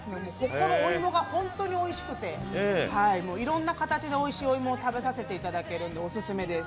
ここのお芋が本当においしくていろんな形でおいしいお芋を食べさせていただけるのでオススメです。